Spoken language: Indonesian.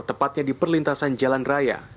tepatnya di perlintasan jalan raya